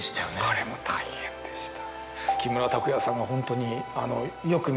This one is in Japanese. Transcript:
あれも大変でした。